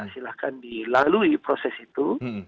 silakan dilalui proses itu